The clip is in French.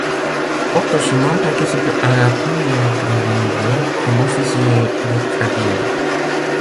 Otto Schumann participe à la Première Guerre mondiale, comme officier de carrière.